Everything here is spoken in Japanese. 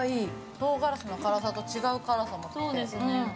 唐辛子の辛さと違う辛さ。